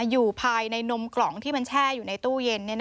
อยู่ภายในนมกล่องที่มันแช่อยู่ในตู้เย็น